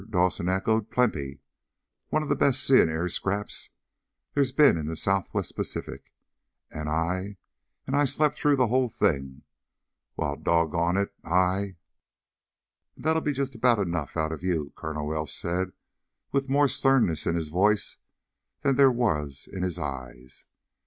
Dawson echoed. "Plenty! One of the best sea and air scraps there's been in the Southwest Pacific, and I and I slept through the whole thing! Why, doggone it, I " "And that'll be just about enough out of you!" Colonel Welsh said with more sternness in his voice than there was in his eyes.